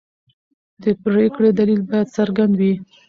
د پرېکړې دلیل باید څرګند وي.